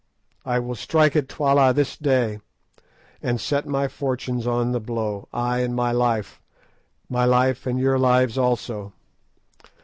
I will strike at Twala this day, and set my fortunes on the blow, ay, and my life—my life and your lives also.